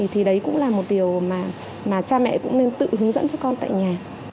thì đấy cũng là một điều mà cha mẹ cũng nên tự hướng dẫn cho con tại nhà